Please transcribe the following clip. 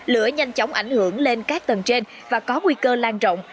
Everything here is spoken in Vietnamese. lửa nhanh chóng ảnh hưởng lên các tầng trên và có nguy cơ lan rộng